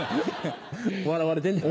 笑われてんねん。